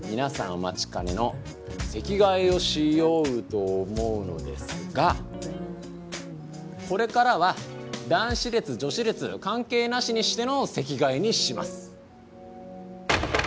お待ちかねの席替えをしようと思うのですがこれからは男子列女子列関係なしにしての席替えにします。